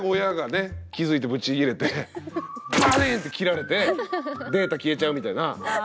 気付いてぶち切れてバリーンって切られてデータ消えちゃうみたいな。